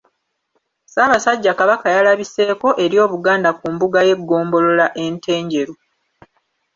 Ssaabasajja Kabaka yalabiseeko eri Obuganda ku mbuga y’eggombolola e Ntenjeru.